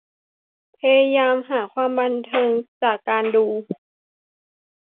พยายามหาความบันเทิงจากการดู